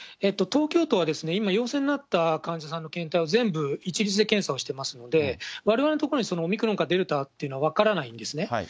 東京都は今、陽性になった患者さんの検体を全部、一律で検査をしてますので、われわれの所にオミクロンか、デルタっていうのは分からないんですね。